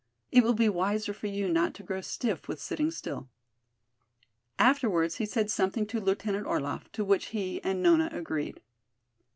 "It will be wiser for you not to grow stiff with sitting still." Afterwards he said something to Lieutenant Orlaff, to which he and Nona agreed.